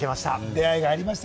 出会いがありました？